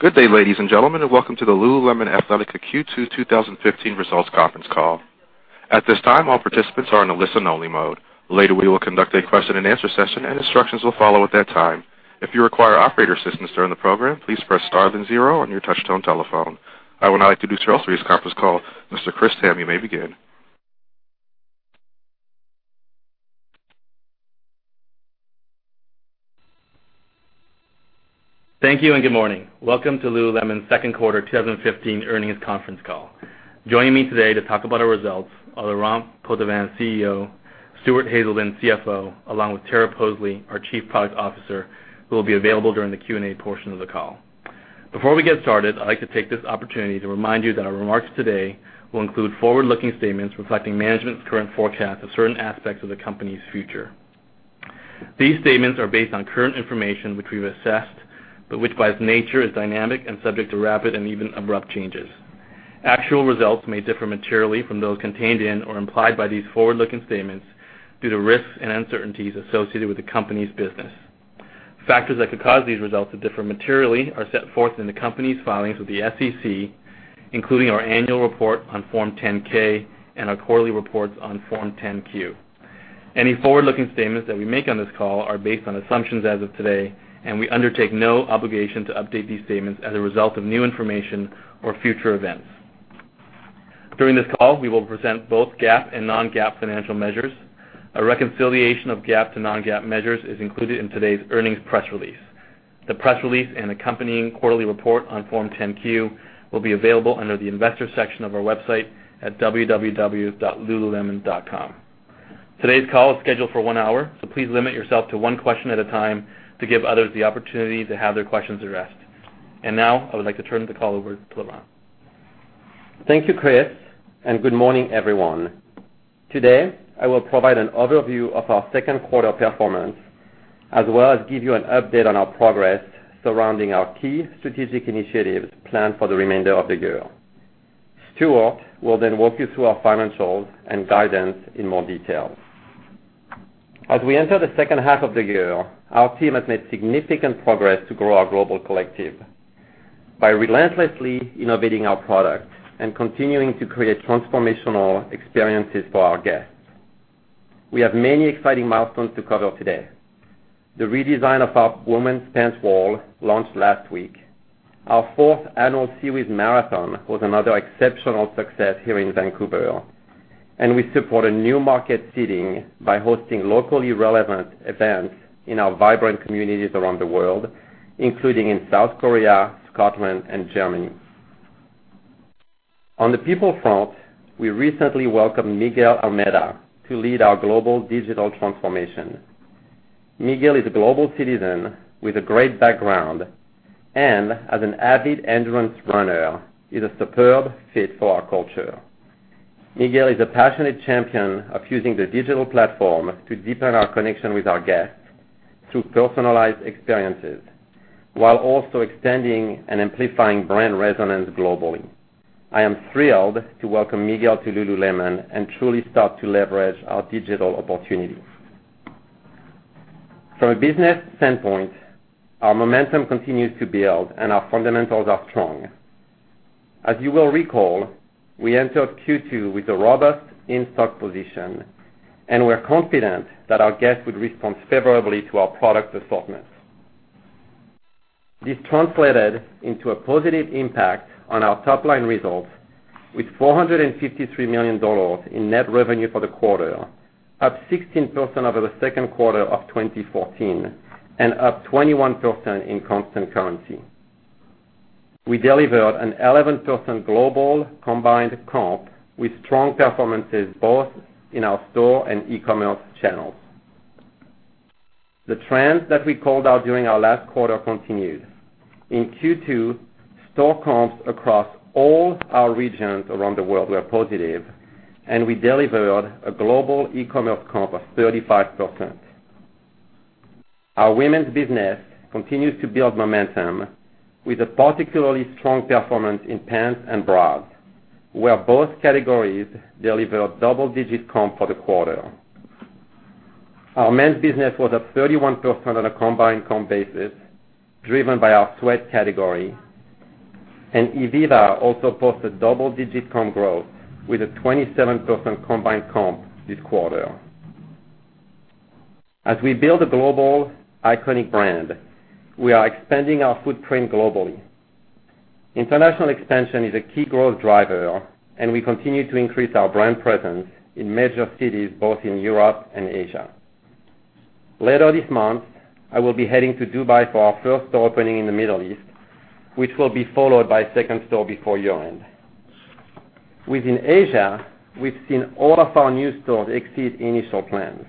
Good day, ladies and gentlemen, welcome to the Lululemon Athletica Q2 2015 results conference call. At this time, all participants are in a listen-only mode. Later, we will conduct a question and answer session, and instructions will follow at that time. If you require operator assistance during the program, please press star then zero on your touch-tone telephone. I would now like to introduce today's conference call. Mr. Chris Tham, you may begin. Thank you, good morning. Welcome to Lululemon's second quarter 2015 earnings conference call. Joining me today to talk about our results are Laurent Potdevin, CEO, Stuart Haselden, CFO, along with Tara Poseley, our Chief Product Officer, who will be available during the Q&A portion of the call. Before we get started, I'd like to take this opportunity to remind you that our remarks today will include forward-looking statements reflecting management's current forecast of certain aspects of the company's future. These statements are based on current information, which we've assessed, but which by its nature is dynamic and subject to rapid and even abrupt changes. Actual results may differ materially from those contained in or implied by these forward-looking statements due to risks and uncertainties associated with the company's business. Factors that could cause these results to differ materially are set forth in the company's filings with the SEC, including our annual report on Form 10-K and our quarterly reports on Form 10-Q. Any forward-looking statements that we make on this call are based on assumptions as of today, we undertake no obligation to update these statements as a result of new information or future events. During this call, we will present both GAAP and non-GAAP financial measures. A reconciliation of GAAP to non-GAAP measures is included in today's earnings press release. The press release and accompanying quarterly report on Form 10-Q will be available under the investor section of our website at www.lululemon.com. Today's call is scheduled for one hour, please limit yourself to one question at a time to give others the opportunity to have their questions addressed. Now, I would like to turn the call over to Laurent. Thank you, Chris, and good morning, everyone. Today, I will provide an overview of our second quarter performance, as well as give you an update on our progress surrounding our key strategic initiatives planned for the remainder of the year. Stuart will then walk you through our financials and guidance in more detail. As we enter the second half of the year, our team has made significant progress to grow our global collective by relentlessly innovating our product and continuing to create transformational experiences for our guests. We have many exciting milestones to cover today. The redesign of our women's pants wall launched last week. Our fourth annual SeaWheeze Half Marathon was another exceptional success here in Vancouver. We support a new market seeding by hosting locally relevant events in our vibrant communities around the world, including in South Korea, Scotland, and Germany. On the people front, we recently welcomed Miguel Almeida to lead our global digital transformation. Miguel is a global citizen with a great background and as an avid endurance runner, he's a superb fit for our culture. Miguel is a passionate champion of using the digital platform to deepen our connection with our guests through personalized experiences while also extending and amplifying brand resonance globally. I am thrilled to welcome Miguel to Lululemon and truly start to leverage our digital opportunities. From a business standpoint, our momentum continues to build, and our fundamentals are strong. As you will recall, we entered Q2 with a robust in-stock position, and we're confident that our guests would respond favorably to our product assortment. This translated into a positive impact on our top-line results with $453 million in net revenue for the quarter, up 16% over the second quarter of 2014 and up 21% in constant currency. We delivered an 11% global combined comp with strong performances both in our store and e-commerce channels. The trends that we called out during our last quarter continued. In Q2, store comps across all our regions around the world were positive, and we delivered a global e-commerce comp of 35%. Our women's business continues to build momentum with a particularly strong performance in pants and bras, where both categories delivered double-digit comp for the quarter. Our men's business was up 31% on a combined comp basis, driven by our sweat category. Ivivva also posted double-digit comp growth with a 27% combined comp this quarter. As we build a global iconic brand, we are expanding our footprint globally. International expansion is a key growth driver, and we continue to increase our brand presence in major cities both in Europe and Asia. Later this month, I will be heading to Dubai for our first store opening in the Middle East, which will be followed by a second store before year-end. Within Asia, we've seen all of our new stores exceed initial plans.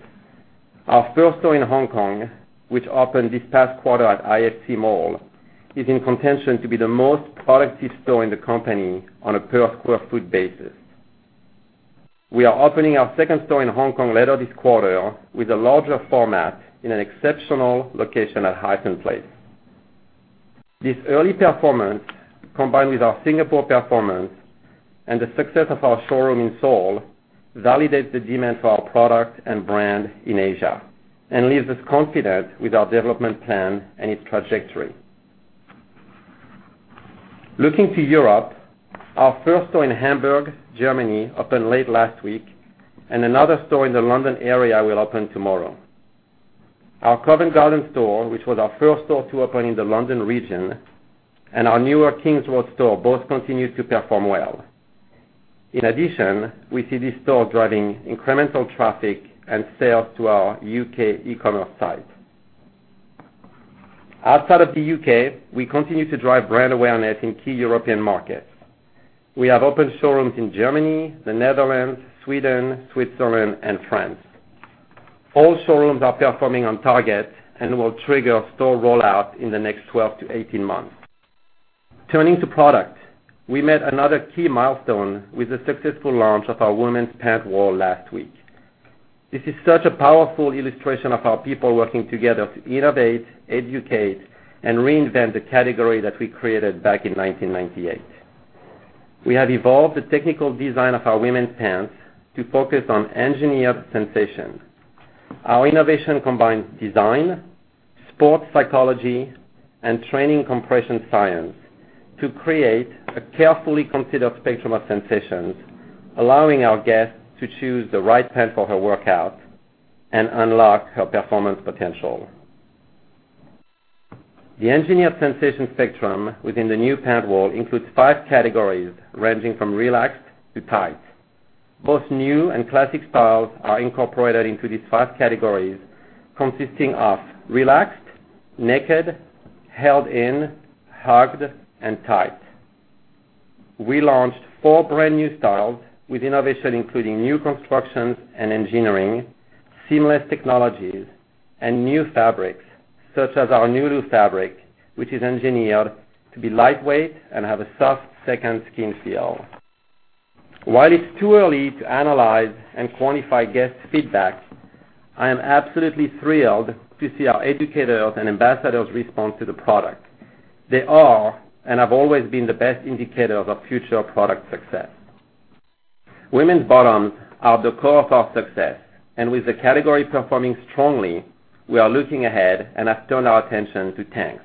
Our first store in Hong Kong, which opened this past quarter at IFC Mall, is in contention to be the most productive store in the company on a per square foot basis. We are opening our second store in Hong Kong later this quarter with a larger format in an exceptional location at Hysan Place. This early performance, combined with our Singapore performance. The success of our showroom in Seoul validates the demand for our product and brand in Asia and leaves us confident with our development plan and its trajectory. Looking to Europe, our first store in Hamburg, Germany opened late last week, and another store in the London area will open tomorrow. Our Covent Garden store, which was our first store to open in the London region, and our newer Kings Road store, both continue to perform well. In addition, we see this store driving incremental traffic and sales to our U.K. e-commerce site. Outside of the U.K., we continue to drive brand awareness in key European markets. We have opened showrooms in Germany, the Netherlands, Sweden, Switzerland, and France. All showrooms are performing on target and will trigger store rollout in the next 12 to 18 months. Turning to product, we met another key milestone with the successful launch of our women's pant wall last week. This is such a powerful illustration of our people working together to innovate, educate, and reinvent the category that we created back in 1998. We have evolved the technical design of our women's pants to focus on engineered sensation. Our innovation combines design, sports psychology, and training compression science to create a carefully considered spectrum of sensations, allowing our guest to choose the right pant for her workout and unlock her performance potential. The engineered sensation spectrum within the new pant wall includes five categories, ranging from relaxed to tight. Both new and classic styles are incorporated into these five categories, consisting of relaxed, naked, held in, hugged, and tight. We launched four brand-new styles with innovation, including new constructions and engineering, seamless technologies, and new fabrics, such as our Nulu fabric, which is engineered to be lightweight and have a soft second-skin feel. While it's too early to analyze and quantify guest feedback, I am absolutely thrilled to see our educators and ambassadors respond to the product. They are and have always been the best indicator of our future product success. Women's bottoms are the core of our success, and with the category performing strongly, we are looking ahead and have turned our attention to tanks.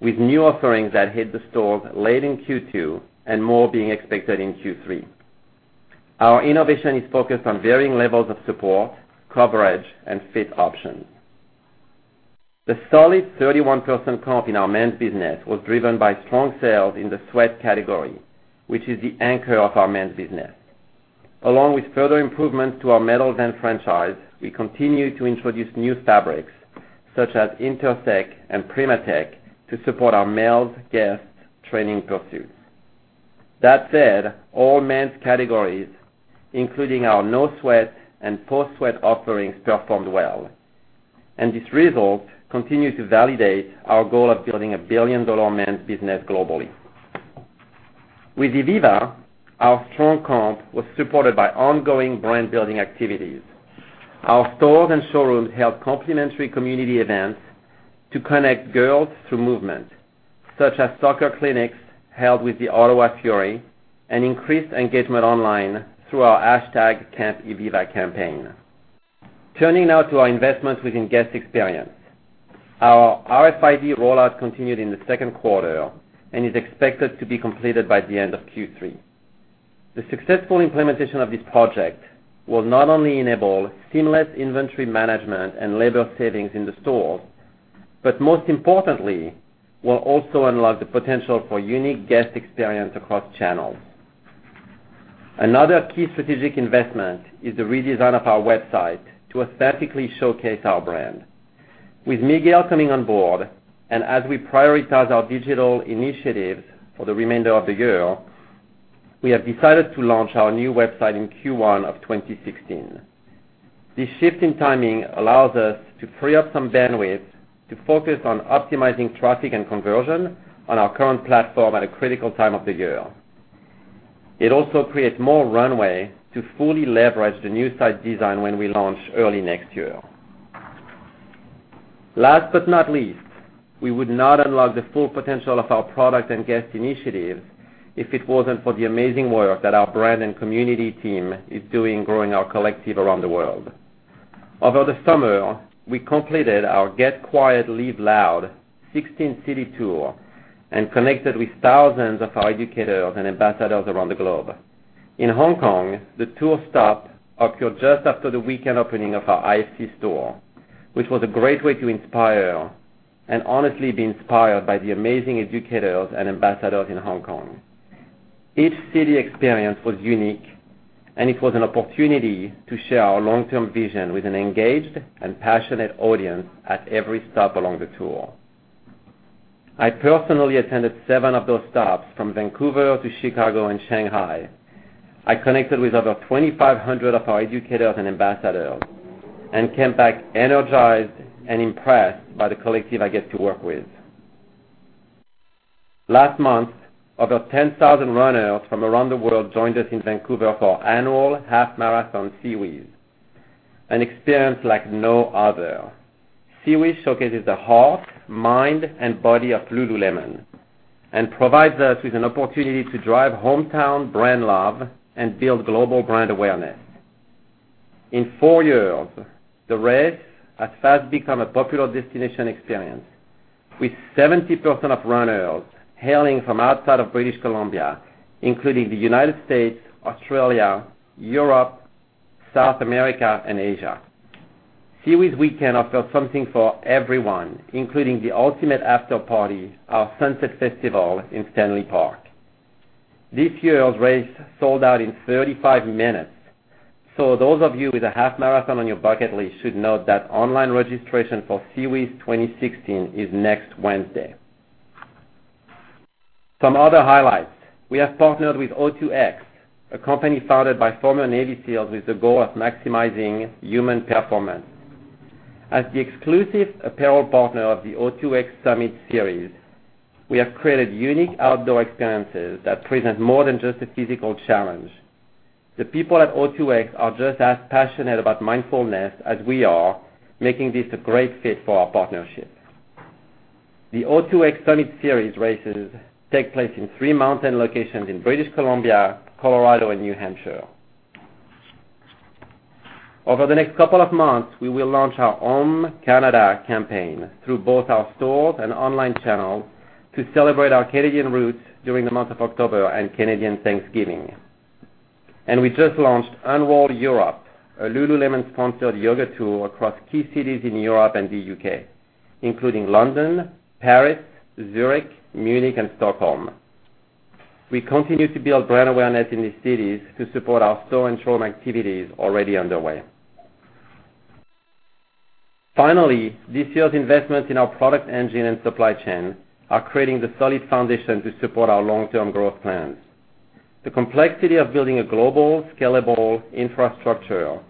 With new offerings that hit the stores late in Q2 and more being expected in Q3. Our innovation is focused on varying levels of support, coverage, and fit options. The solid 31% comp in our men's business was driven by strong sales in the sweat category, which is the anchor of our men's business. Along with further improvements to our Metal Vent franchise, we continue to introduce new fabrics such as Intersect and Primatech to support our male guests' training pursuits. That said, all men's categories, including our no sweat and post-sweat offerings, performed well. This result continues to validate our goal of building a billion-dollar men's business globally. With ivivva, our strong comp was supported by ongoing brand-building activities. Our stores and showrooms held complimentary community events to connect girls through movement, such as soccer clinics held with the Ottawa Fury FC and increased engagement online through our #Campivivva campaign. Turning now to our investments within guest experience. Our RFID rollout continued in the second quarter and is expected to be completed by the end of Q3. The successful implementation of this project will not only enable seamless inventory management and labor savings in the stores but, most importantly, will also unlock the potential for unique guest experience across channels. Another key strategic investment is the redesign of our website to aesthetically showcase our brand. With Miguel coming on board and as we prioritize our digital initiatives for the remainder of the year, we have decided to launch our new website in Q1 of 2016. This shift in timing allows us to free up some bandwidth to focus on optimizing traffic and conversion on our current platform at a critical time of the year. It also creates more runway to fully leverage the new site design when we launch early next year. Last but not least, we would not unlock the full potential of our product and guest initiatives if it wasn't for the amazing work that our brand and community team is doing growing our collective around the world. Over the summer, we completed our Get Quiet, Live Loud 16-city tour and connected with thousands of our educators and ambassadors around the globe. In Hong Kong, the tour stop occurred just after the weekend opening of our IFC store, which was a great way to inspire and honestly be inspired by the amazing educators and ambassadors in Hong Kong. Each city experience was unique, and it was an opportunity to share our long-term vision with an engaged and passionate audience at every stop along the tour. I personally attended seven of those stops, from Vancouver to Chicago and Shanghai. I connected with over 2,500 of our educators and ambassadors and came back energized and impressed by the collective I get to work with. Last month, over 10,000 runners from around the world joined us in Vancouver for our annual half-marathon series. An experience like no other. SeaWheeze showcases the heart, mind, body of Lululemon, and provides us with an opportunity to drive hometown brand love and build global brand awareness. In four years, the race has fast become a popular destination experience, with 70% of runners hailing from outside of British Columbia, including the United States, Australia, Europe, South America, and Asia. SeaWheeze weekend offers something for everyone, including the ultimate after-party, our Sunset Festival in Stanley Park. This year's race sold out in 35 minutes. So those of you with a half marathon on your bucket list should note that online registration for SeaWheeze 2016 is next Wednesday. Some other highlights. We have partnered with O2X, a company founded by former Navy SEALs with the goal of maximizing human performance. As the exclusive apparel partner of the O2X Summit Series, we have created unique outdoor experiences that present more than just a physical challenge. The people at O2X are just as passionate about mindfulness as we are, making this a great fit for our partnership. The O2X Summit Series races take place in three mountain locations in British Columbia, Colorado, and New Hampshire. Over the next couple of months, we will launch our OM Canada campaign through both our stores and online channels to celebrate our Canadian roots during the month of October and Canadian Thanksgiving. And we just launched Unroll Europe, a Lululemon-sponsored yoga tour across key cities in Europe and the U.K., including London, Paris, Zurich, Munich, and Stockholm. We continue to build brand awareness in these cities to support our store and showroom activities already underway. Finally, this year's investments in our product engine and supply chain are creating the solid foundation to support our long-term growth plans. The complexity of building a global, scalable infrastructure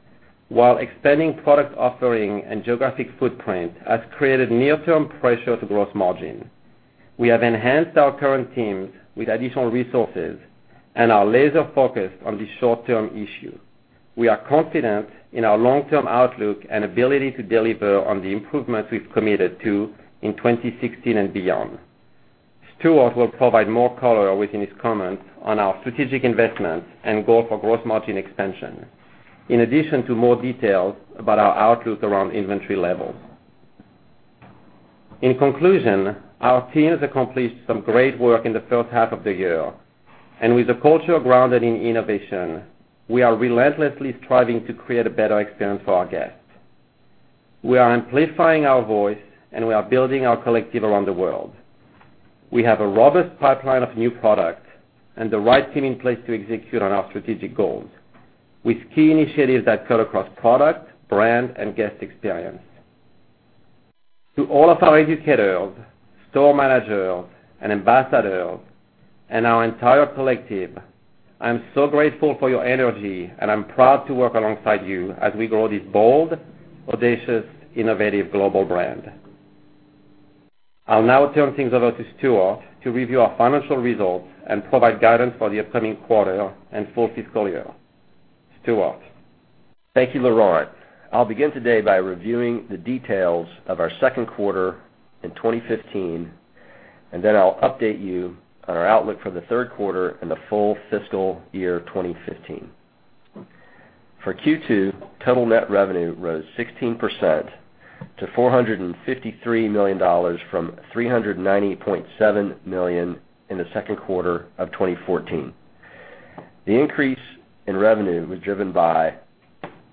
while expanding product offering and geographic footprint has created near-term pressure to gross margin. We have enhanced our current teams with additional resources and are laser-focused on this short-term issue. We are confident in our long-term outlook and ability to deliver on the improvements we've committed to in 2016 and beyond. Stuart Haselden will provide more color within his comments on our strategic investments and goal for gross margin expansion, in addition to more details about our outlook around inventory levels. In conclusion, our teams accomplished some great work in the first half of the year. With a culture grounded in innovation, we are relentlessly striving to create a better experience for our guests. We are amplifying our voice, and we are building our collective around the world. We have a robust pipeline of new products and the right team in place to execute on our strategic goals with key initiatives that cut across product, brand, and guest experience. To all of our educators, store managers, and ambassadors, and our entire collective, I'm so grateful for your energy, and I'm proud to work alongside you as we grow this bold, audacious, innovative global brand. I'll now turn things over to Stuart to review our financial results and provide guidance for the upcoming quarter and full fiscal year. Stuart? Thank you, Laurent. I'll begin today by reviewing the details of our second quarter in 2015, and then I'll update you on our outlook for the third quarter and the full fiscal year 2015. For Q2, total net revenue rose 16% to $453 million from $390.7 million in the second quarter of 2014. The increase in revenue was driven by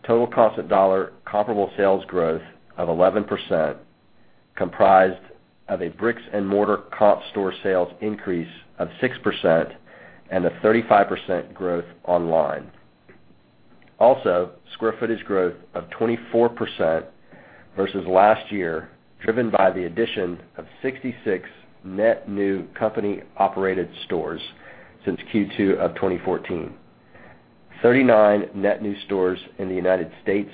total constant dollar comparable sales growth of 11%, comprised of a bricks and mortar comp store sales increase of 6% and a 35% growth online. Also, square footage growth of 24% versus last year, driven by the addition of 66 net new company-operated stores since Q2 of 2014. 39 net new stores in the U.S.,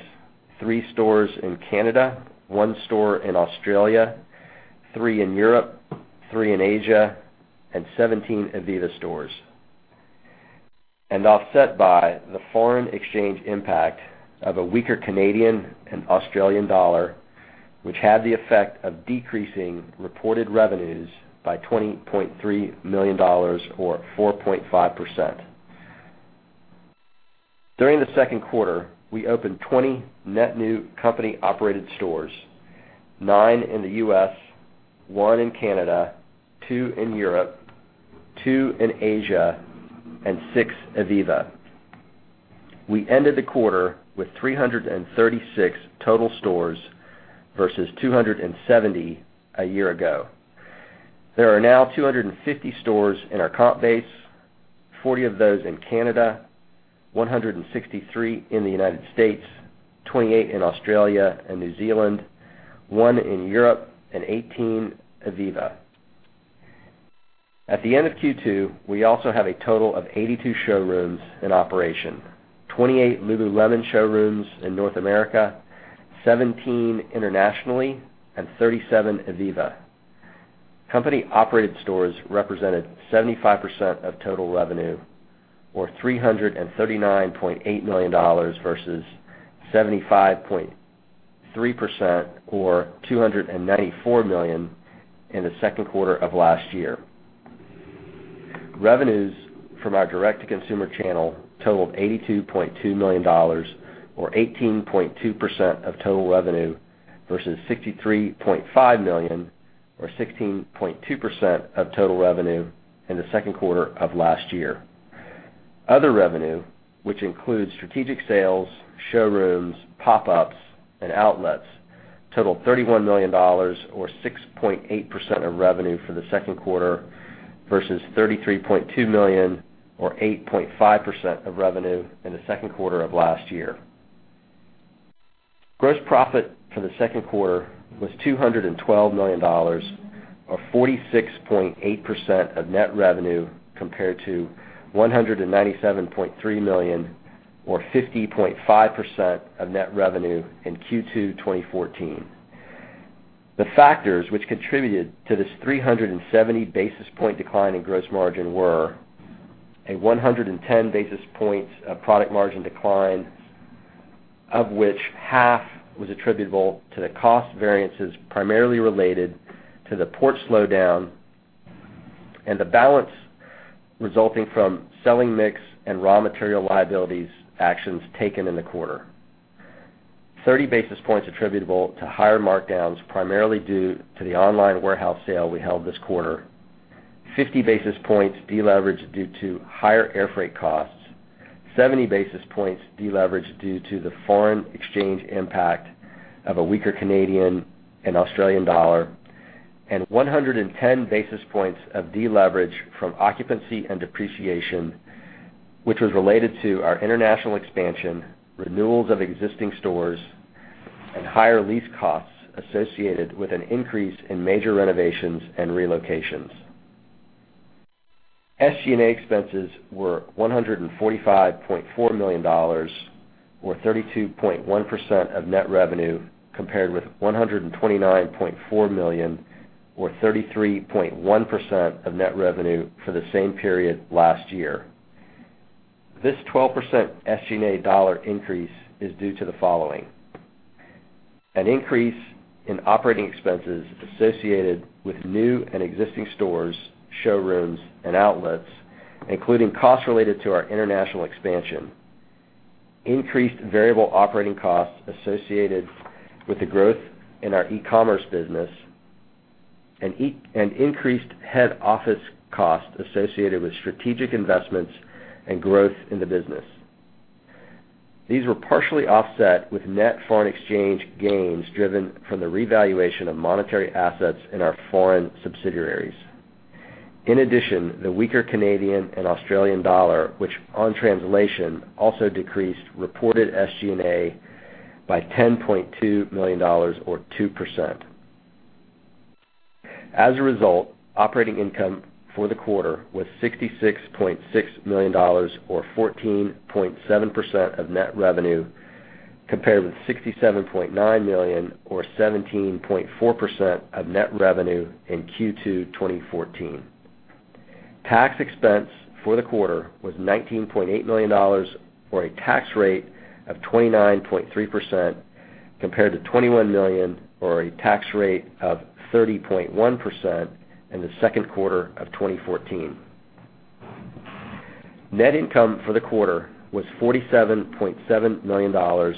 three stores in Canada, one store in Australia, three in Europe, three in Asia, and 17 ivivva stores. Offset by the foreign exchange impact of a weaker Canadian and Australian dollar, which had the effect of decreasing reported revenues by $20.3 million, or 4.5%. During the second quarter, we opened 20 net new company-operated stores, nine in the U.S., one in Canada, two in Europe, two in Asia, and six ivivva. We ended the quarter with 336 total stores versus 270 a year ago. There are now 250 stores in our comp base, 40 of those in Canada, 163 in the U.S., 28 in Australia and New Zealand, one in Europe, and 18 ivivva. At the end of Q2, we also have a total of 82 showrooms in operation, 28 Lululemon showrooms in North America, 17 internationally, and 37 ivivva. Company-operated stores represented 75% of total revenue, or $339.8 million, versus 75.3%, or $294 million in the second quarter of last year. Revenues from our direct-to-consumer channel totaled $82.2 million, or 18.2% of total revenue, versus $63.5 million, or 16.2% of total revenue in the second quarter of last year. Other revenue, which includes strategic sales, showrooms, pop-ups, and outlets, totaled $31 million, or 6.8% of revenue for the second quarter, versus $33.2 million, or 8.5% of revenue, in the second quarter of last year. Gross profit for the second quarter was $212 million, or 46.8% of net revenue, compared to $197.3 million, or 50.5% of net revenue in Q2 2014. The factors which contributed to this 370 basis point decline in gross margin were a 110 basis points of product margin decline, of which half was attributable to the cost variances primarily related to the port slowdown, and the balance resulting from selling mix and raw material liabilities actions taken in the quarter. 30 basis points attributable to higher markdowns, primarily due to the online warehouse sale we held this quarter. 50 basis points deleveraged due to higher airfreight costs. 70 basis points deleveraged due to the foreign exchange impact of a weaker Canadian and Australian dollar. 110 basis points of deleverage from occupancy and depreciation, which was related to our international expansion, renewals of existing stores, and higher lease costs associated with an increase in major renovations and relocations. SG&A expenses were $145.4 million, or 32.1% of net revenue, compared with $129.4 million, or 33.1% of net revenue for the same period last year. This 12% SG&A dollar increase is due to the following. An increase in operating expenses associated with new and existing stores, showrooms, and outlets, including costs related to our international expansion. Increased variable operating costs associated with the growth in our e-commerce business. An increased head office cost associated with strategic investments and growth in the business. These were partially offset with net foreign exchange gains driven from the revaluation of monetary assets in our foreign subsidiaries. In addition, the weaker Canadian and Australian dollar, which on translation, also decreased reported SG&A by $10.2 million, or 2%. As a result, operating income for the quarter was $66.6 million, or 14.7% of net revenue, compared with $67.9 million, or 17.4% of net revenue in Q2 2014. Tax expense for the quarter was $19.8 million, or a tax rate of 29.3%, compared to $21 million, or a tax rate of 30.1% in the second quarter of 2014. Net income for the quarter was $47.7 million, or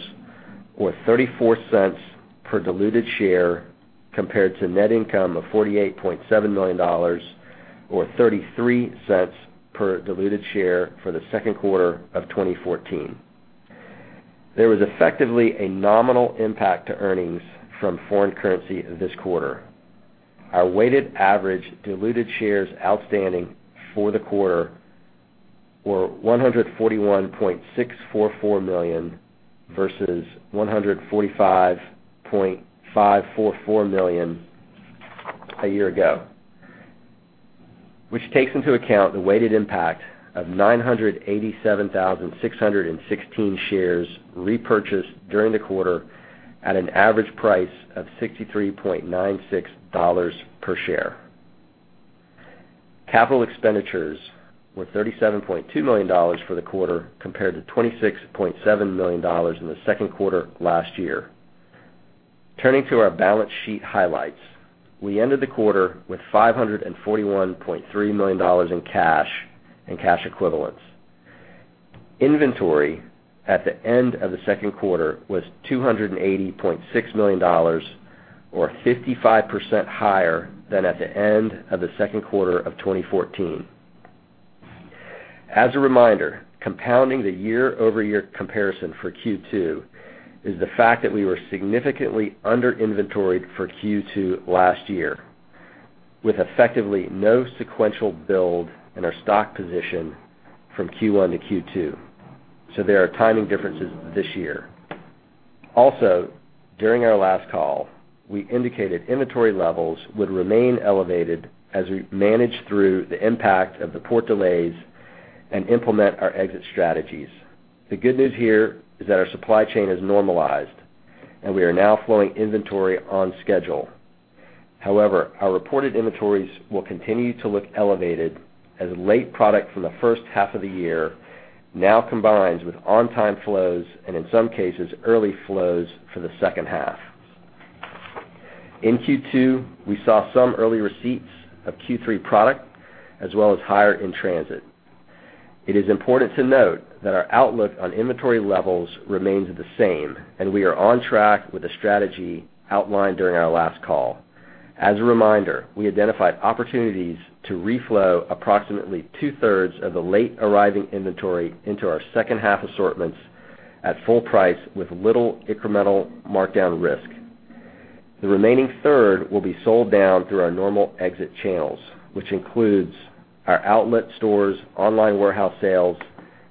$0.34 per diluted share, compared to net income of $48.7 million, or $0.33 per diluted share for the second quarter of 2014. There was effectively a nominal impact to earnings from foreign currency this quarter. Our weighted average diluted shares outstanding for the quarter were 141.644 million, versus 145.544 million a year ago, which takes into account the weighted impact of 987,616 shares repurchased during the quarter at an average price of $63.96 per share. Capital expenditures were $37.2 million for the quarter, compared to $26.7 million in the second quarter last year. Turning to our balance sheet highlights. We ended the quarter with $541.3 million in cash and cash equivalents. Inventory at the end of the second quarter was $280.6 million, or 55% higher than at the end of the second quarter of 2014. As a reminder, compounding the year-over-year comparison for Q2 is the fact that we were significantly under-inventoried for Q2 last year, with effectively no sequential build in our stock position from Q1 to Q2. There are timing differences this year. Also, during our last call, we indicated inventory levels would remain elevated as we manage through the impact of the port delays and implement our exit strategies. The good news here is that our supply chain has normalized. We are now flowing inventory on schedule. However, our reported inventories will continue to look elevated as late product from the first half of the year now combines with on-time flows, and in some cases, early flows for the second half. In Q2, we saw some early receipts of Q3 product as well as higher in-transit. It is important to note that our outlook on inventory levels remains the same, and we are on track with the strategy outlined during our last call. As a reminder, we identified opportunities to reflow approximately two-thirds of the late arriving inventory into our second-half assortments at full price with little incremental markdown risk. The remaining third will be sold down through our normal exit channels, which includes our outlet stores, online warehouse sales,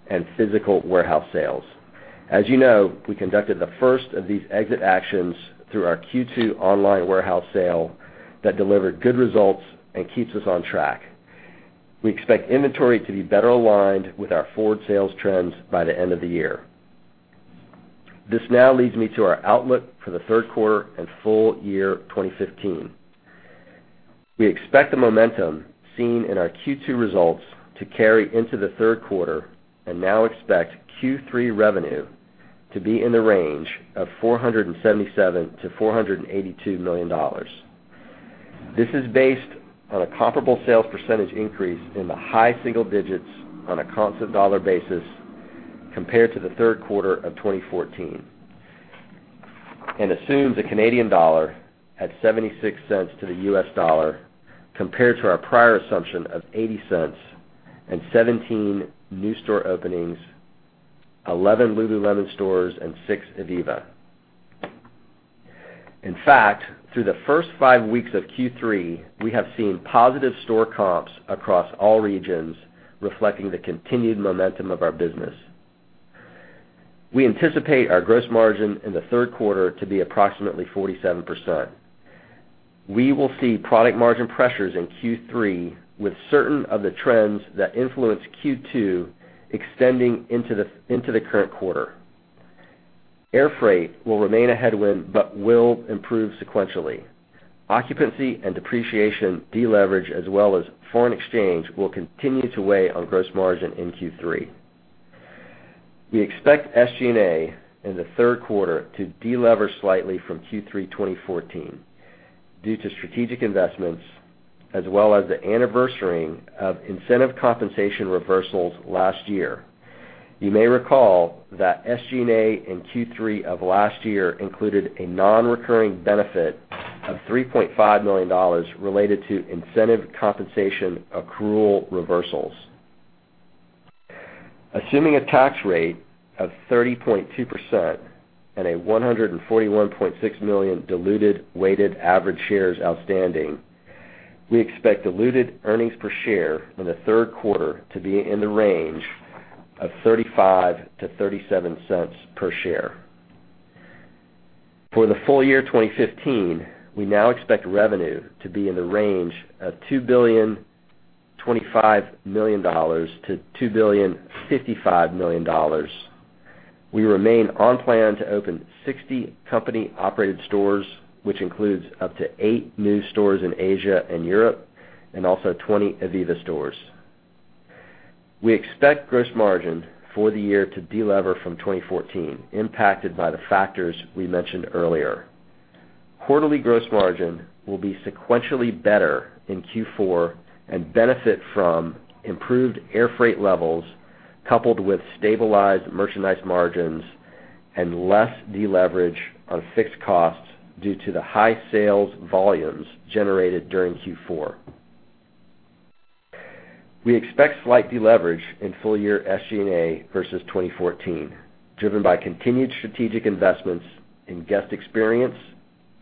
and physical warehouse sales. As you know, we conducted the first of these exit actions through our Q2 online warehouse sale that delivered good results and keeps us on track. We expect inventory to be better aligned with our forward sales trends by the end of the year. This now leads me to our outlook for the third quarter and full year 2015. We expect the momentum seen in our Q2 results to carry into the third quarter and now expect Q3 revenue to be in the range of $477 million to $482 million. This is based on a comparable sales percentage increase in the high single digits on a constant dollar basis compared to the third quarter of 2014 and assumes a Canadian dollar at $0.76 to the U.S. dollar, compared to our prior assumption of $0.80 and 17 new store openings, 11 Lululemon stores, and six ivivva. In fact, through the first five weeks of Q3, we have seen positive store comps across all regions, reflecting the continued momentum of our business. We anticipate our gross margin in the third quarter to be approximately 47%. We will see product margin pressures in Q3 with certain of the trends that influenced Q2 extending into the current quarter. Air freight will remain a headwind but will improve sequentially. Occupancy and depreciation deleverage as well as foreign exchange will continue to weigh on gross margin in Q3. We expect SG&A in the third quarter to delever slightly from Q3 2014 due to strategic investments as well as the anniversarying of incentive compensation reversals last year. You may recall that SG&A in Q3 of last year included a non-recurring benefit of $3.5 million related to incentive compensation accrual reversals. Assuming a tax rate of 30.2% and 141.6 million diluted weighted average shares outstanding, we expect diluted earnings per share in the third quarter to be in the range of $0.35 to $0.37 per share. For the full year 2015, we now expect revenue to be in the range of $2.25 billion to $2.55 billion. We remain on plan to open 60 company-operated stores, which includes up to eight new stores in Asia and Europe and also 20 ivivva stores. We expect gross margin for the year to delever from 2014, impacted by the factors we mentioned earlier. Quarterly gross margin will be sequentially better in Q4 and benefit from improved air freight levels coupled with stabilized merchandise margins and less deleverage on fixed costs due to the high sales volumes generated during Q4. We expect slight deleverage in full-year SG&A versus 2014, driven by continued strategic investments in guest experience,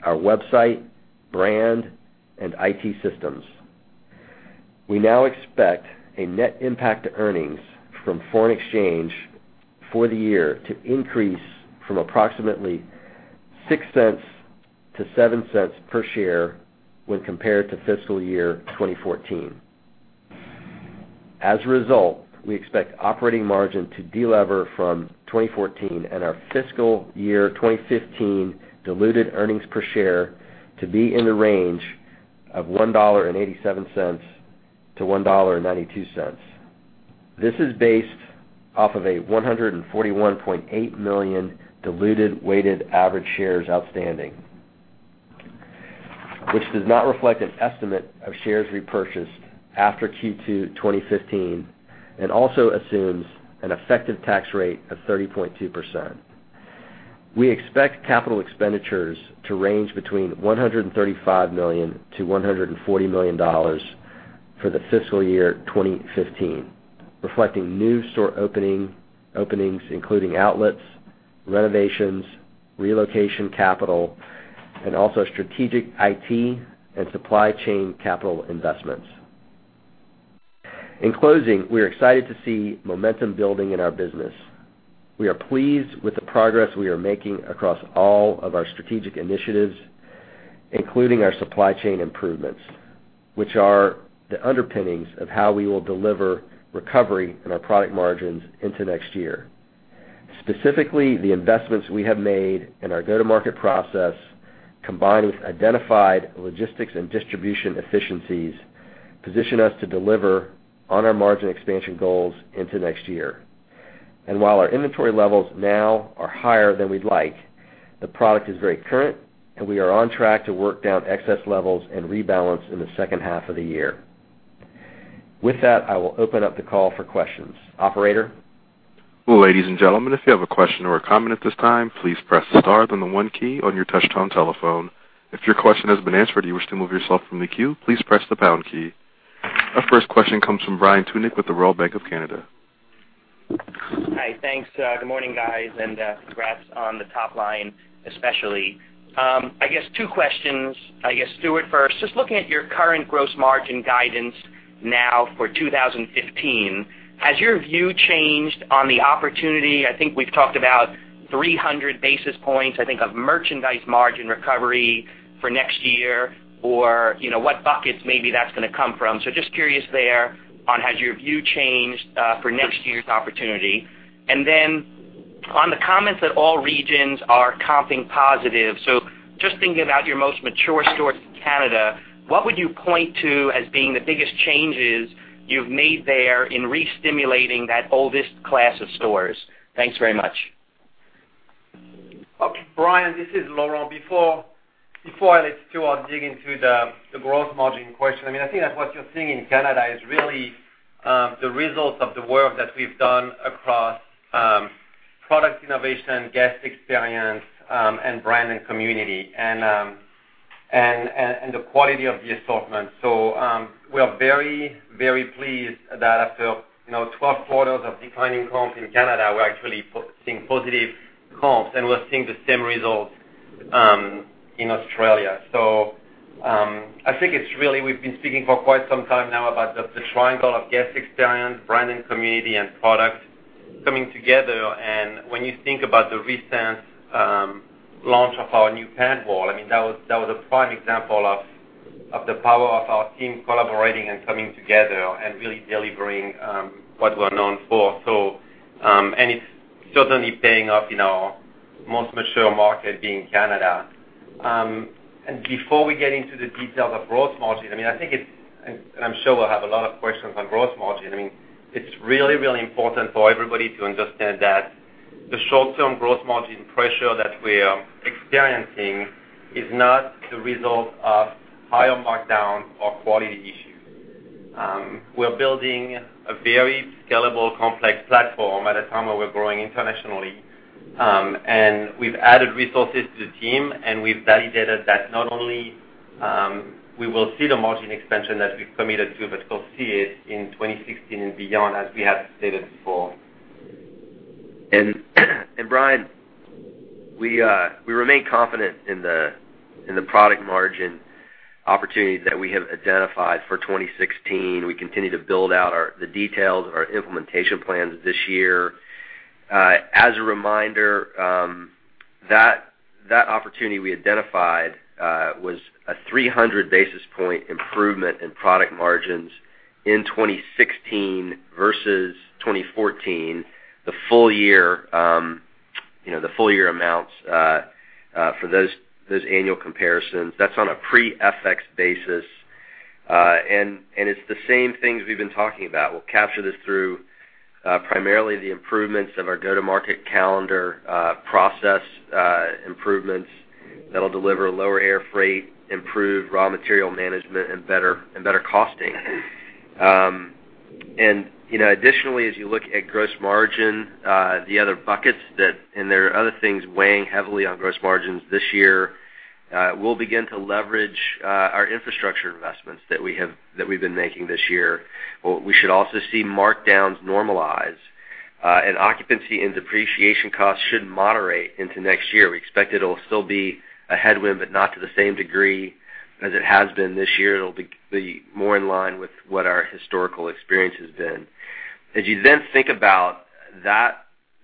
our website, brand, and IT systems. We now expect a net impact to earnings from foreign exchange for the year to increase from approximately $0.06 to $0.07 per share when compared to fiscal year 2014. As a result, we expect operating margin to delever from 2014 and our fiscal year 2015 diluted earnings per share to be in the range of $1.87 to $1.92. This is based off of a 141.8 million diluted weighted average shares outstanding, which does not reflect an estimate of shares repurchased after Q2 2015 and also assumes an effective tax rate of 30.2%. We expect capital expenditures to range between $135 million to $140 million for the fiscal year 2015, reflecting new store openings, including outlets, renovations, relocation capital, and also strategic IT and supply chain capital investments. In closing, we're excited to see momentum building in our business. We are pleased with the progress we are making across all of our strategic initiatives. Including our supply chain improvements, which are the underpinnings of how we will deliver recovery in our product margins into next year. Specifically, the investments we have made in our go-to-market process, combined with identified logistics and distribution efficiencies, position us to deliver on our margin expansion goals into next year. While our inventory levels now are higher than we'd like, the product is very current, and we are on track to work down excess levels and rebalance in the second half of the year. With that, I will open up the call for questions. Operator? Ladies and gentlemen, if you have a question or a comment at this time, please press star then the one key on your touch-tone telephone. If your question has been answered or you wish to remove yourself from the queue, please press the pound key. Our first question comes from Brian Tunick with the Royal Bank of Canada. Hi. Thanks. Good morning, guys, and congrats on the top line, especially. I guess two questions. Stuart first. Just looking at your current gross margin guidance now for 2015, has your view changed on the opportunity? I think we've talked about 300 basis points of merchandise margin recovery for next year, or what buckets maybe that's going to come from. Just curious there on has your view changed for next year's opportunity. On the comments that all regions are comping positive, just thinking about your most mature stores in Canada, what would you point to as being the biggest changes you've made there in re-stimulating that oldest class of stores? Thanks very much. Brian, this is Laurent. Before I let Stuart dig into the gross margin question, I think that what you're seeing in Canada is really the results of the work that we've done across product innovation, guest experience, and brand and community, and the quality of the assortment. We are very, very pleased that after 12 quarters of declining comps in Canada, we're actually seeing positive comps, and we're seeing the same results in Australia. I think it's really, we've been speaking for quite some time now about the triangle of guest experience, brand and community, and product coming together. When you think about the recent launch of our new pant wall, that was a prime example of the power of our team collaborating and coming together and really delivering what we're known for. It's certainly paying off in our most mature market, being Canada. Before we get into the details of gross margin, I think it's and I'm sure we'll have a lot of questions on gross margin. It's really, really important for everybody to understand that the short-term gross margin pressure that we are experiencing is not the result of higher markdown or quality issues. We're building a very scalable, complex platform at a time where we're growing internationally. We've added resources to the team, and we've validated that not only we will see the margin expansion that we've committed to, but we'll see it in 2016 and beyond as we have stated before. Brian, we remain confident in the product margin opportunities that we have identified for 2016. We continue to build out the details of our implementation plans this year. As a reminder, that opportunity we identified was a 300-basis point improvement in product margins in 2016 versus 2014. The full year amounts for those annual comparisons, that's on a pre-FX basis. It's the same things we've been talking about. We'll capture this through primarily the improvements of our go-to-market calendar process, improvements that'll deliver lower air freight, improved raw material management, and better costing. Additionally, as you look at gross margin, the other buckets that there are other things weighing heavily on gross margins this year. We'll begin to leverage our infrastructure investments that we've been making this year. We should also see markdowns normalize, and occupancy and depreciation costs should moderate into next year. We expect it'll still be a headwind, but not to the same degree as it has been this year. It'll be more in line with what our historical experience has been. As you then think about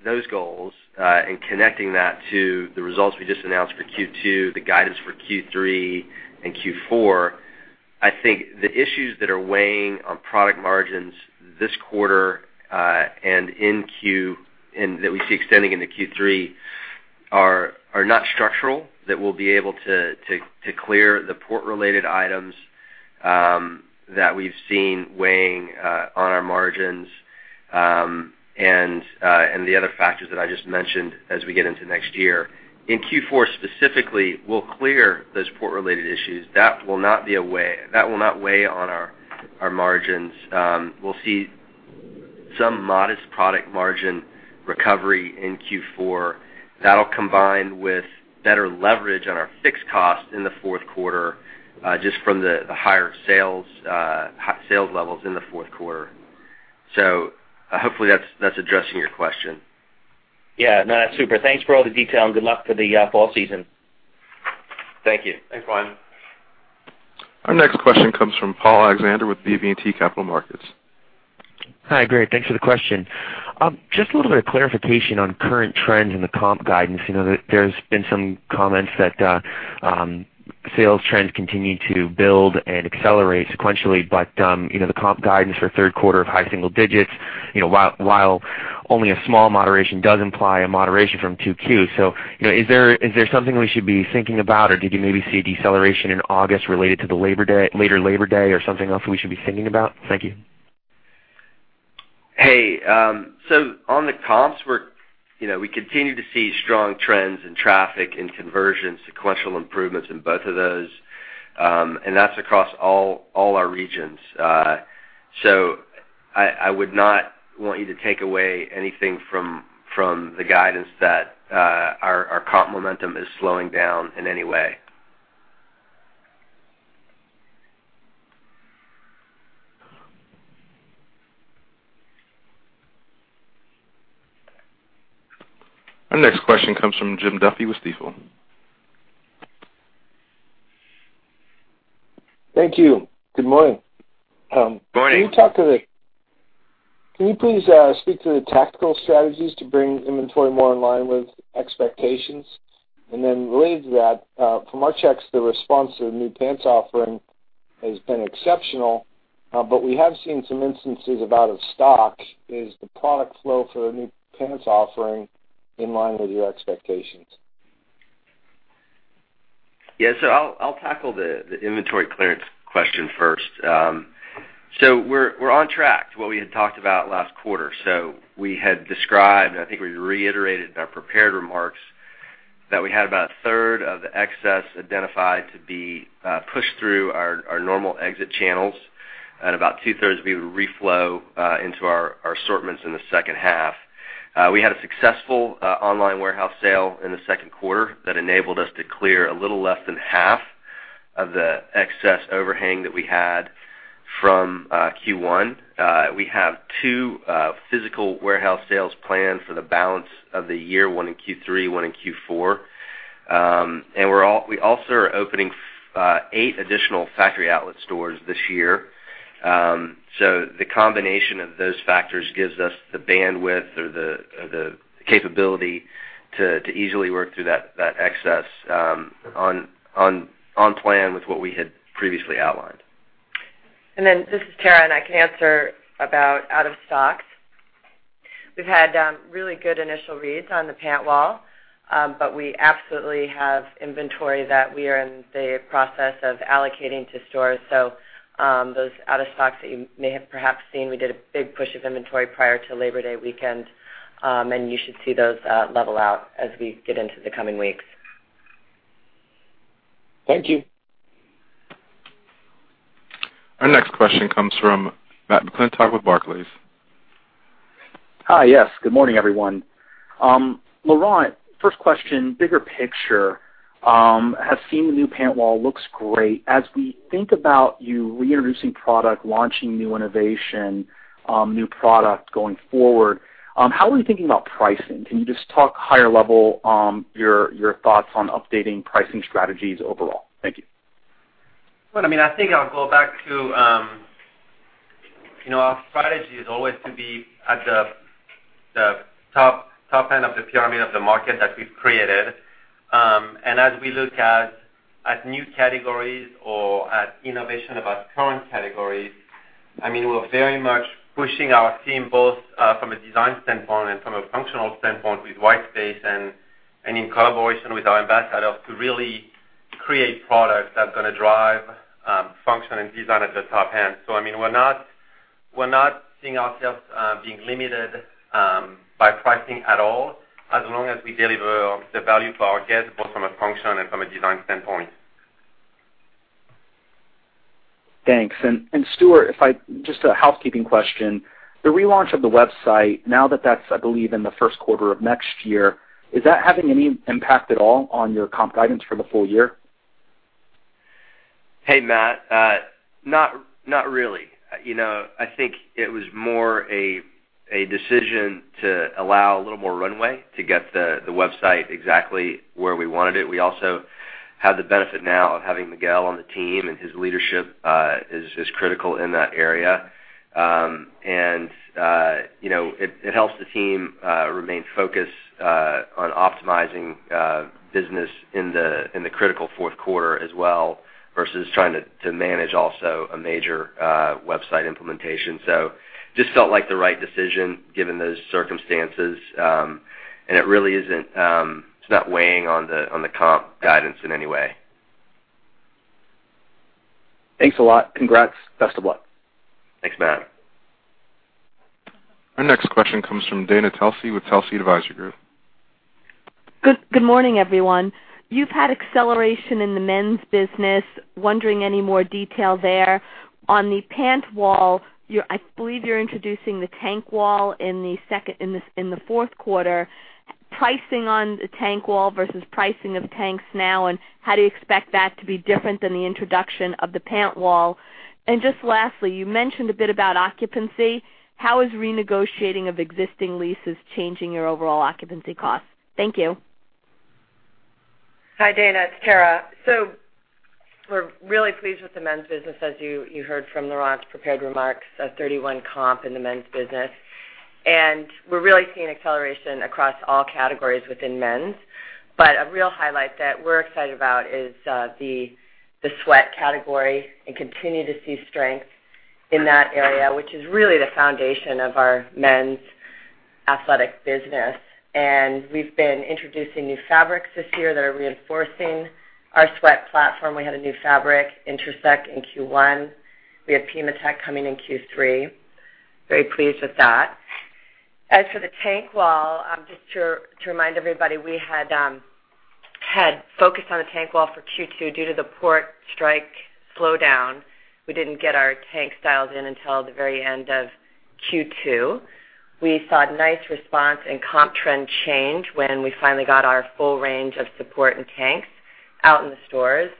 those goals and connecting that to the results we just announced for Q2, the guidance for Q3 and Q4, I think the issues that are weighing on product margins this quarter and that we see extending into Q3 are not structural, that we'll be able to clear the port-related items that we've seen weighing on our margins and the other factors that I just mentioned as we get into next year. In Q4 specifically, we'll clear those port-related issues. That will not weigh on our margins. We'll see some modest product margin recovery in Q4. That'll combine with better leverage on our fixed costs in the fourth quarter, just from the higher sales levels in the fourth quarter. Hopefully that's addressing your question. Yeah. No, that's super. Thanks for all the detail, and good luck for the fall season. Thank you. Thanks, Brian. Our next question comes from Paul Alexander with BB&T Capital Markets. Hi, great. Thanks for the question. Just a little bit of clarification on current trends in the comp guidance. There's been some comments that sales trends continue to build and accelerate sequentially, the comp guidance for the third quarter of high single digits, while only a small moderation does imply a moderation from two Q. Is there something we should be thinking about, or did you maybe see a deceleration in August related to the later Labor Day or something else that we should be thinking about? Thank you. Hey, on the comps, we continue to see strong trends in traffic and conversion, sequential improvements in both of those. That's across all our regions. I would not want you to take away anything from the guidance that our comp momentum is slowing down in any way. Our next question comes from Jim Duffy with Stifel. Thank you. Good morning. Morning. Can you please speak to the tactical strategies to bring inventory more in line with expectations? Related to that, from our checks, the response to the new pants offering has been exceptional, but we have seen some instances of out of stock. Is the product flow for the new pants offering in line with your expectations? Yeah. I'll tackle the inventory clearance question first. We're on track to what we had talked about last quarter. We had described, and I think we reiterated in our prepared remarks, that we had about a third of the excess identified to be pushed through our normal exit channels, and about two-thirds would reflow into our assortments in the second half. We had a successful online warehouse sale in the second quarter that enabled us to clear a little less than half of the excess overhang that we had from Q1. We have two physical warehouse sales planned for the balance of the year, one in Q3, one in Q4. We also are opening eight additional factory outlet stores this year. The combination of those factors gives us the bandwidth or the capability to easily work through that excess on plan with what we had previously outlined. This is Tara, and I can answer about out of stocks. We've had really good initial reads on the pant wall, but we absolutely have inventory that we are in the process of allocating to stores. Those out of stocks that you may have perhaps seen, we did a big push of inventory prior to Labor Day weekend, and you should see those level out as we get into the coming weeks. Thank you. Our next question comes from Matt McClintock with Barclays. Hi. Yes. Good morning, everyone. Laurent, first question, bigger picture. Have seen the new pant wall, looks great. As we think about you reintroducing product, launching new innovation, new product going forward, how are we thinking about pricing? Can you just talk higher level your thoughts on updating pricing strategies overall? Thank you. I think I'll go back to our strategy is always to be at the top end of the pyramid of the market that we've created. As we look at new categories or at innovation of our current categories, we're very much pushing our team both from a design standpoint and from a functional standpoint with white space and in collaboration with our ambassadors to really create products that's gonna drive function and design at the top end. We're not seeing ourselves being limited by pricing at all, as long as we deliver the value for our guests, both from a function and from a design standpoint. Thanks. Stuart, just a housekeeping question. The relaunch of the website, now that that's, I believe, in the first quarter of next year, is that having any impact at all on your comp guidance for the full year? Hey, Matt. Not really. I think it was more a decision to allow a little more runway to get the website exactly where we wanted it. We also have the benefit now of having Miguel on the team, his leadership is critical in that area. It helps the team remain focused on optimizing business in the critical fourth quarter as well, versus trying to manage also a major website implementation. Just felt like the right decision given those circumstances. It's not weighing on the comp guidance in any way. Thanks a lot. Congrats. Best of luck. Thanks, Matt. Our next question comes from Dana Telsey with Telsey Advisory Group. Good morning, everyone. You've had acceleration in the men's business. Wondering any more detail there. On the pant wall, I believe you're introducing the tank wall in the fourth quarter. Pricing on the tank wall versus pricing of tanks now, and how do you expect that to be different than the introduction of the pant wall? Just lastly, you mentioned a bit about occupancy. How is renegotiating of existing leases changing your overall occupancy costs? Thank you. Hi, Dana. It's Tara. We're really pleased with the men's business, as you heard from Laurent's prepared remarks, a 31% comp in the men's business. We're really seeing acceleration across all categories within men's. A real highlight that we're excited about is the sweat category and continue to see strength in that area, which is really the foundation of our men's athletic business. We've been introducing new fabrics this year that are reinforcing our sweat platform. We had a new fabric, Intersect, in Q1. We have Pimatech coming in Q3. Very pleased with that. As for the tank wall, just to remind everybody, we had focused on the tank wall for Q2. Due to the port strike slowdown, we didn't get our tank styles in until the very end of Q2. We saw nice response and comp trend change when we finally got our full range of support and tanks out in the stores.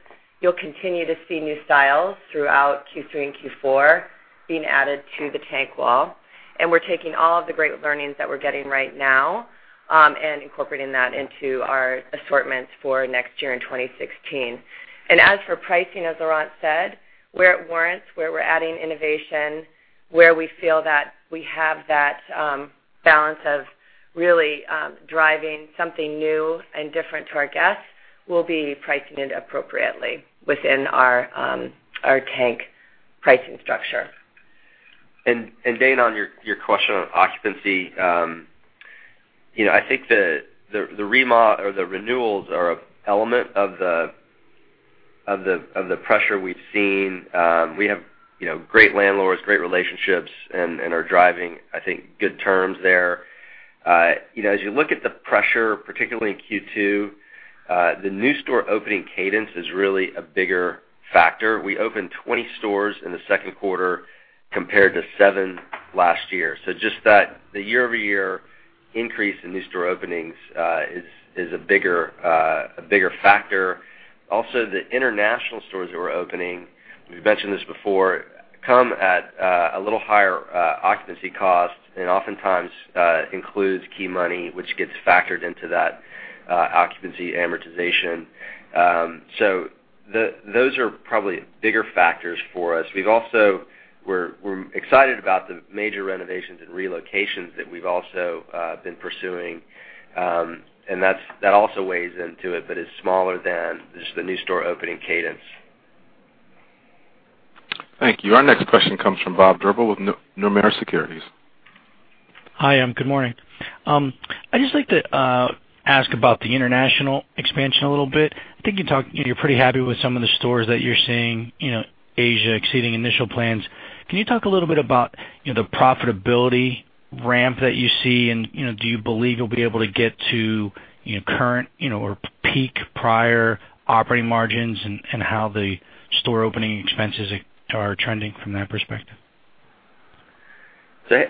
You'll continue to see new styles throughout Q3 and Q4 being added to the tank wall, and we're taking all of the great learnings that we're getting right now and incorporating that into our assortments for next year in 2016. As for pricing, as Laurent said, where it warrants, where we're adding innovation, where we feel that we have that balance of really driving something new and different to our guests, we'll be pricing it appropriately within our tank pricing structure. Dana, on your question on occupancy. I think the renewals are an element of the pressure we've seen. We have great landlords, great relationships, and are driving, I think, good terms there. As you look at the pressure, particularly in Q2, the new store opening cadence is really a bigger factor. We opened 20 stores in the second quarter compared to seven last year. Just that, the year-over-year increase in new store openings, is a bigger factor. Also, the international stores that we're opening, we've mentioned this before, come at a little higher occupancy cost and oftentimes includes key money, which gets factored into that occupancy amortization. Those are probably bigger factors for us. We're excited about the major renovations and relocations that we've also been pursuing, and that also weighs into it, but it's smaller than just the new store opening cadence. Thank you. Our next question comes from Bob Drbul with Nomura Securities. Hi, good morning. I'd just like to ask about the international expansion a little bit. I think you're pretty happy with some of the stores that you're seeing, Asia exceeding initial plans. Can you talk a little bit about the profitability ramp that you see, and do you believe you'll be able to get to current or peak prior operating margins and how the store opening expenses are trending from that perspective?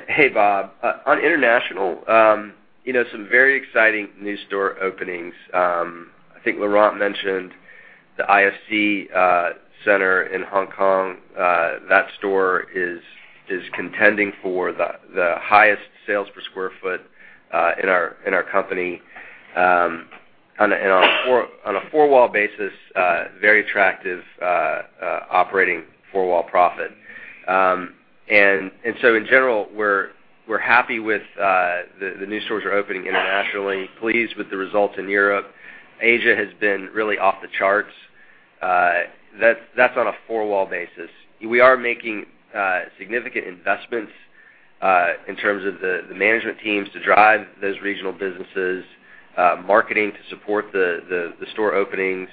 Hey, Bob. On international, some very exciting new store openings. I think Laurent mentioned the IFC center in Hong Kong. That store is contending for the highest sales per square foot in our company. On a four-wall basis, very attractive operating four-wall profit. In general, we're happy with the new stores we're opening internationally, pleased with the results in Europe. Asia has been really off the charts. That's on a four-wall basis. We are making significant investments in terms of the management teams to drive those regional businesses, marketing to support the store openings,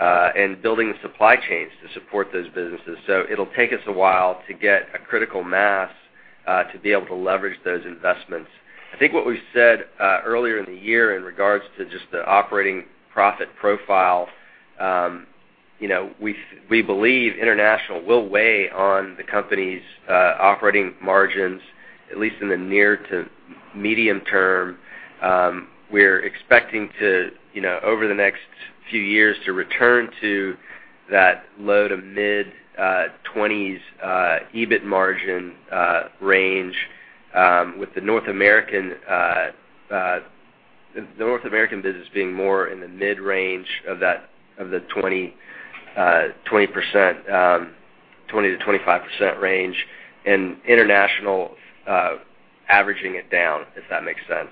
and building the supply chains to support those businesses. It'll take us a while to get a critical mass to be able to leverage those investments. I think what we said earlier in the year in regards to just the operating profit profile, we believe international will weigh on the company's operating margins, at least in the near to medium term. We're expecting to, over the next few years, to return to that low to mid-20s EBIT margin range with the North American business being more in the mid-range of the 20%-25% range, and international averaging it down, if that makes sense.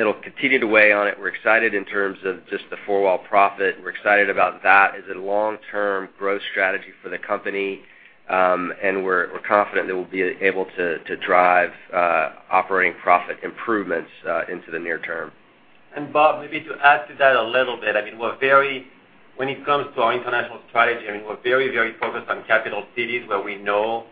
It'll continue to weigh on it. We're excited in terms of just the four-wall profit, and we're excited about that as a long-term growth strategy for the company. We're confident that we'll be able to drive operating profit improvements into the near term. Bob, maybe to add to that a little bit, when it comes to our international strategy, we're very focused on capital cities where we know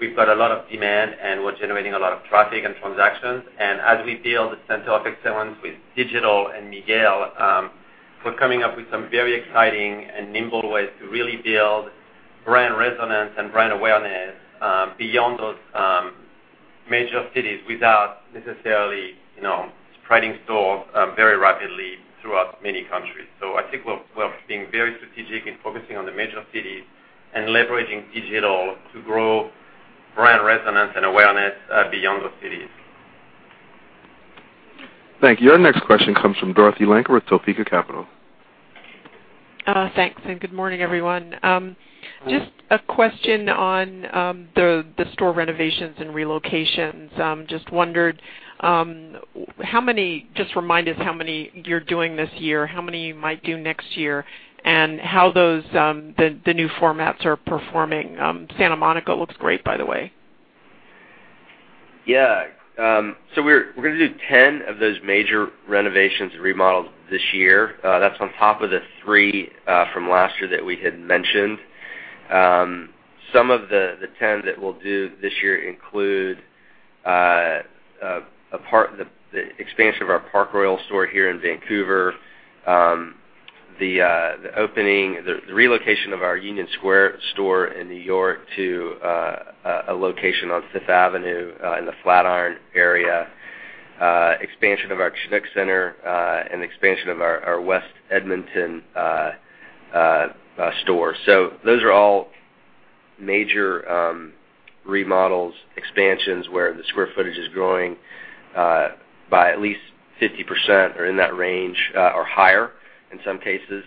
we've got a lot of demand and we're generating a lot of traffic and transactions. As we build the center of excellence with digital and Miguel, we're coming up with some very exciting and nimble ways to really build brand resonance and brand awareness beyond those major cities without necessarily spreading stores very rapidly throughout many countries. I think we're being very strategic in focusing on the major cities and leveraging digital to grow brand resonance and awareness beyond those cities. Thank you. Our next question comes from Dorothy Lakner with Topeka Capital. Thanks, and good morning, everyone. Just a question on the store renovations and relocations. Just wondered, just remind us how many you're doing this year, how many you might do next year, and how the new formats are performing. Santa Monica looks great, by the way. Yeah. We're going to do 10 of those major renovations and remodels this year. That's on top of the three from last year that we had mentioned. Some of the 10 that we'll do this year include the expansion of our Park Royal store here in Vancouver, the relocation of our Union Square store in New York to a location on Fifth Avenue in the Flatiron area, expansion of our CF Chinook Centre, and expansion of our West Edmonton store. Those are all major remodels, expansions where the square footage is growing by at least 50% or in that range or higher in some cases.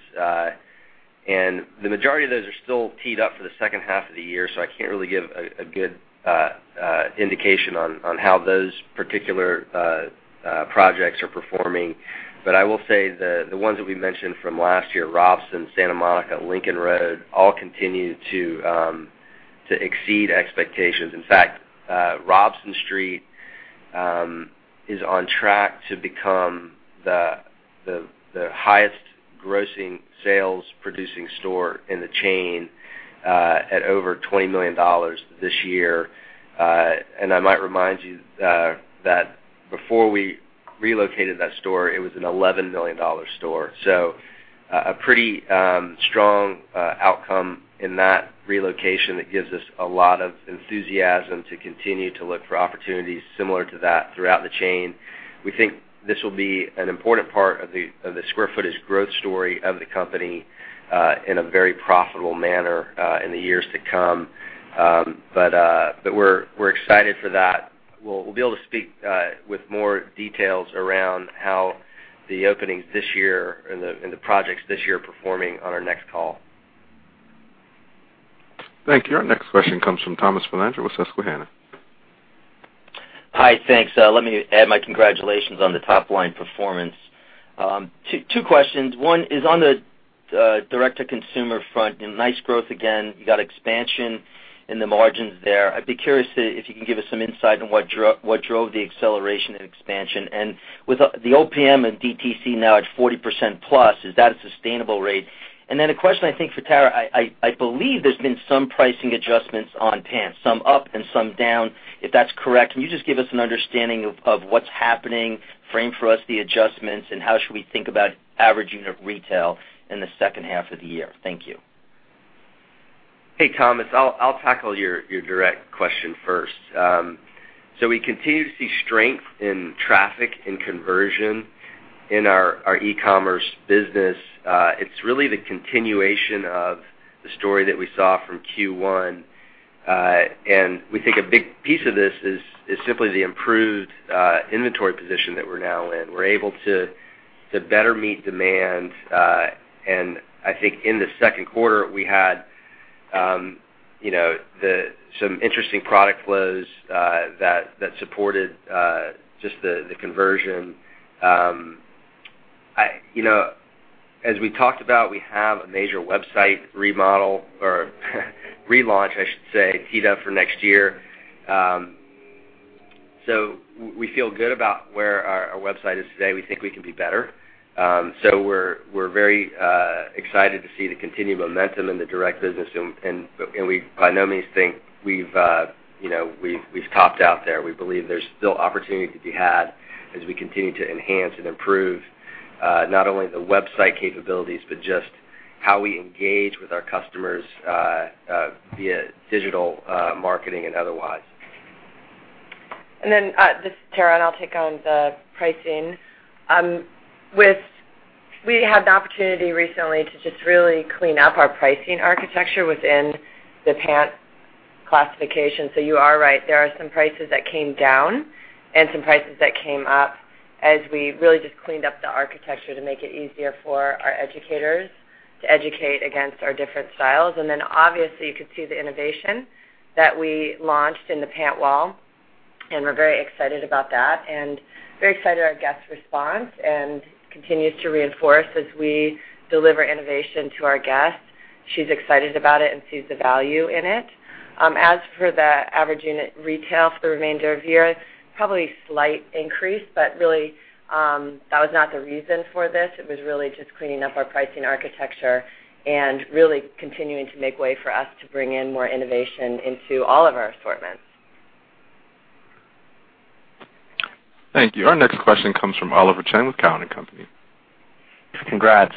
The majority of those are still teed up for the second half of the year. I can't really give a good indication on how those particular projects are performing. I will say the ones that we mentioned from last year, Robson, Santa Monica, Lincoln Road, all continue to exceed expectations. In fact, Robson Street is on track to become the highest grossing sales-producing store in the chain at over $20 million this year. I might remind you that before we relocated that store, it was an $11 million store. A pretty strong outcome in that relocation that gives us a lot of enthusiasm to continue to look for opportunities similar to that throughout the chain. We think this will be an important part of the square footage growth story of the company in a very profitable manner in the years to come. We're excited for that. We'll be able to speak with more details around how the openings this year and the projects this year are performing on our next call. Thank you. Our next question comes from Thomas Filandro with Susquehanna. Hi, thanks. Let me add my congratulations on the top-line performance. Two questions. One is on the direct-to-consumer front, nice growth again. You got expansion in the margins there. I'd be curious if you can give us some insight on what drove the acceleration and expansion. With the OPM and DTC now at 40% plus, is that a sustainable rate? Then a question, I think, for Tara. I believe there's been some pricing adjustments on pants, some up and some down. If that's correct, can you just give us an understanding of what's happening, frame for us the adjustments, and how should we think about average unit retail in the second half of the year? Thank you. Hey, Thomas. I'll tackle your direct question first. We continue to see strength in traffic and conversion in our e-commerce business. It's really the continuation of the story that we saw from Q1. We think a big piece of this is simply the improved inventory position that we're now in. We're able to better meet demand. I think in the second quarter, we had some interesting product flows that supported just the conversion. As we talked about, we have a major website remodel or relaunch, I should say, teed up for next year. We feel good about where our website is today. We think we can be better. We're very excited to see the continued momentum in the direct business, and we, by no means, think we've topped out there. We believe there's still opportunity to be had as we continue to enhance and improve not only the website capabilities, but just how we engage with our customers via digital marketing and otherwise. This is Tara, and I'll take on the pricing. We had the opportunity recently to just really clean up our pricing architecture within the pant classification. You are right. There are some prices that came down and some prices that came up as we really just cleaned up the architecture to make it easier for our educators to educate against our different styles. Obviously, you could see the innovation that we launched in the pant wall, and we're very excited about that and very excited about our guest response. Continues to reinforce as we deliver innovation to our guests. She's excited about it and sees the value in it. As for the average unit retail for the remainder of the year, probably slight increase, but really, that was not the reason for this. It was really just cleaning up our pricing architecture and really continuing to make way for us to bring in more innovation into all of our assortments. Thank you. Our next question comes from Oliver Chen with Cowen and Company. Congrats.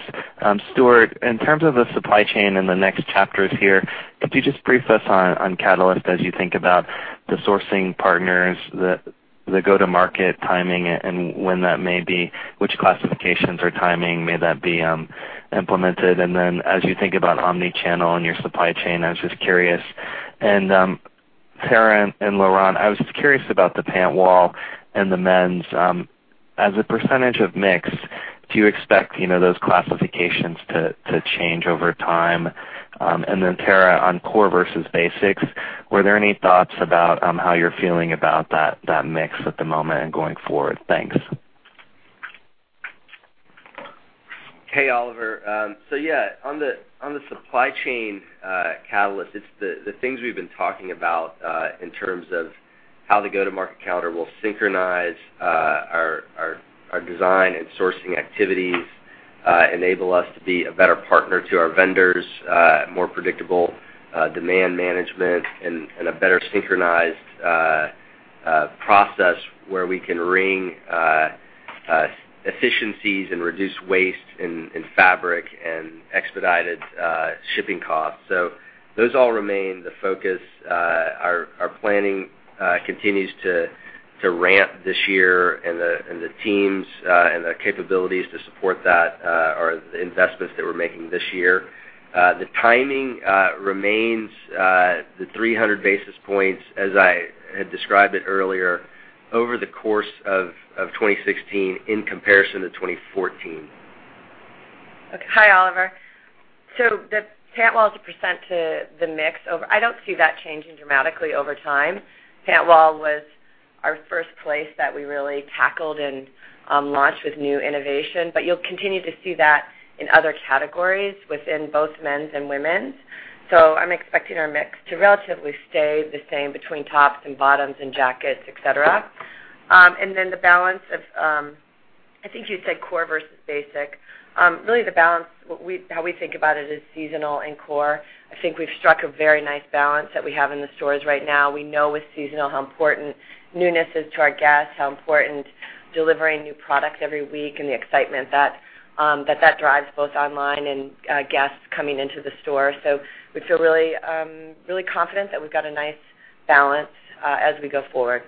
Stuart, in terms of the supply chain and the next chapters here, could you just brief us on catalyst as you think about the sourcing partners, the go-to-market timing and when that may be, which classifications or timing may that be implemented? Then as you think about omni-channel and your supply chain, I was just curious and Tara and Laurent, I was just curious about the pant wall and the men's. As a % of mix, do you expect those classifications to change over time? Then Tara, on core versus basics, were there any thoughts about how you're feeling about that mix at the moment and going forward? Thanks. Hey, Oliver. Yeah, on the supply chain catalyst, it's the things we've been talking about in terms of how the go-to-market calendar will synchronize our design and sourcing activities, enable us to be a better partner to our vendors, more predictable demand management, and a better synchronized process where we can wring efficiencies and reduce waste in fabric and expedited shipping costs. Those all remain the focus. Our planning continues to ramp this year and the teams and the capabilities to support that are the investments that we're making this year. The timing remains the 300 basis points as I had described it earlier, over the course of 2016 in comparison to 2014. Okay. Hi, Oliver. The pant wall, as a % to the mix, I don't see that changing dramatically over time. Pant wall was our first place that we really tackled and launched with new innovation. You'll continue to see that in other categories within both men's and women's. I'm expecting our mix to relatively stay the same between tops and bottoms and jackets, et cetera. The balance of, I think you said core versus basic. Really the balance, how we think about it, is seasonal and core. I think we've struck a very nice balance that we have in the stores right now. We know with seasonal how important newness is to our guests, how important delivering new product every week and the excitement that that drives both online and guests coming into the store. We feel really confident that we've got a nice balance as we go forward.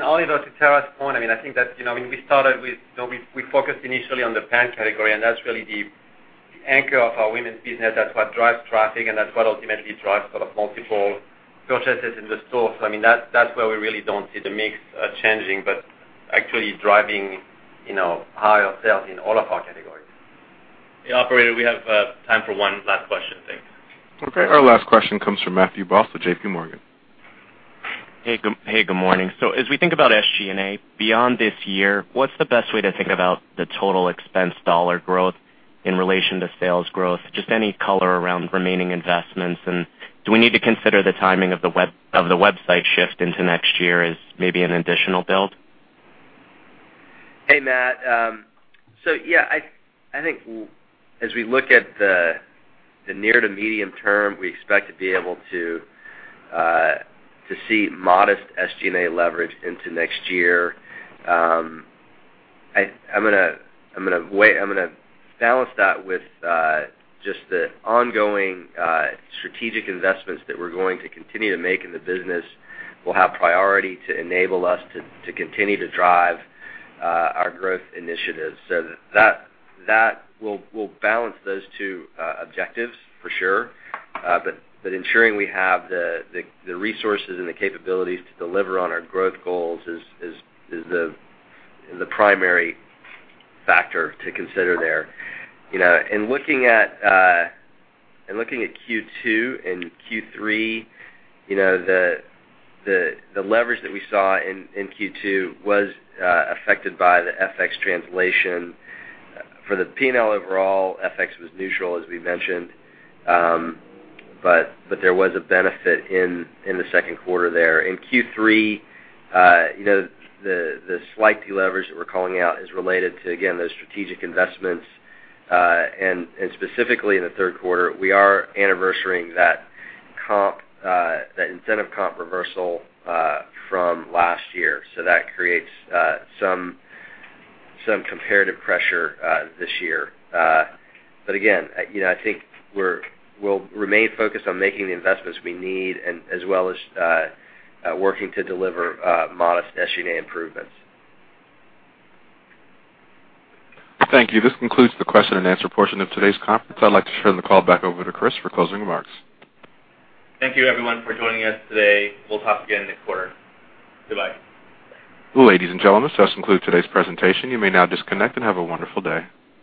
Oliver, to Tara's point, I think that we focused initially on the pant category, and that's really the anchor of our women's business. That's what drives traffic, and that's what ultimately drives multiple purchases in the store. That's where we really don't see the mix changing, but actually driving higher sales in all of our categories. Yeah, operator, we have time for one last question. Thanks. Okay. Our last question comes from Matthew Boss with JPMorgan. Hey, good morning. As we think about SG&A beyond this year, what's the best way to think about the total expense dollar growth in relation to sales growth? Just any color around remaining investments, and do we need to consider the timing of the website shift into next year as maybe an additional build? Hey, Matt. I think as we look at the near to medium term, we expect to be able to see modest SG&A leverage into next year. I'm going to balance that with just the ongoing strategic investments that we're going to continue to make in the business will have priority to enable us to continue to drive our growth initiatives. That will balance those two objectives for sure. Ensuring we have the resources and the capabilities to deliver on our growth goals is the primary factor to consider there. In looking at Q2 and Q3, the leverage that we saw in Q2 was affected by the FX translation. For the P&L overall, FX was neutral, as we mentioned. There was a benefit in the second quarter there. In Q3, the slight deleverage that we're calling out is related to, again, those strategic investments. Specifically in the third quarter, we are anniversarying that incentive comp reversal from last year. That creates some comparative pressure this year. Again, I think we'll remain focused on making the investments we need, as well as working to deliver modest SG&A improvements. Thank you. This concludes the question and answer portion of today's conference. I'd like to turn the call back over to Chris for closing remarks. Thank you, everyone, for joining us today. We'll talk again next quarter. Goodbye. Ladies and gentlemen, this does conclude today's presentation. You may now disconnect, and have a wonderful day.